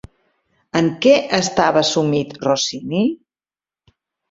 En què estava sumit Rossini?